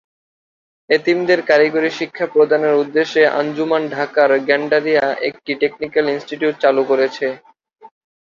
এতিমদের কারিগরি শিক্ষা প্রদানের উদ্দেশ্যে আঞ্জুমান ঢাকার গেন্ডারিয়ায় একটি টেকনিক্যাল ইনস্টিটিউটও চালু করেছে।